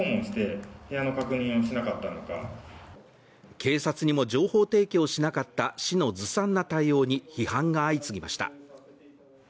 警察にも情報提供しなかった市のずさんな対応に批判が相次ぎました。